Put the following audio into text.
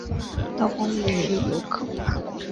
道光五年乙酉科拔贡。